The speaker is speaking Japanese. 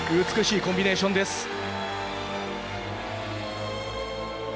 美しいコンビネーションです。